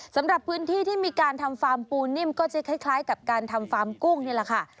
สำหรับพื้นที่ที่มีการทำฟาร์มปูนิ่มก็จะคล้ายกับการทำฟาร์มกุ้งนี่แหละค่ะ